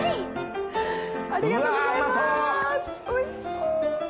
おいしそう。